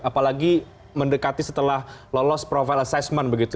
apalagi mendekati setelah lolos profile assessment begitu